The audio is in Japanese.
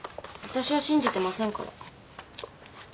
わたしは信じてませんから。